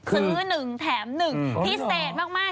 ซื้อหนึ่งแถมหนึ่งพิเศษมาก